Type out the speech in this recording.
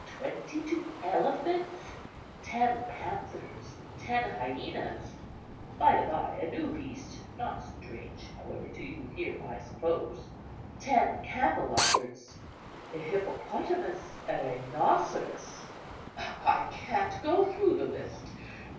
Twenty two elephants, ten panthers, ten hyænas (by the bye, a new beast, not strange, however, to you here, I suppose), ten camelopards, a hippopotamus, a rhinoceros—I can't go through the list.